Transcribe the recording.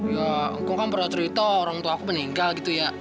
ya aku kan pernah cerita orang tua aku meninggal gitu ya